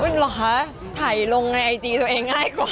เหรอคะถ่ายลงในไอจีตัวเองง่ายกว่า